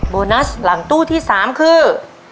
โบนัสหลังตู้ที่๓คือ